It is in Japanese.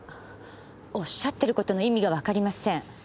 おっしゃっていることの意味がわかりません。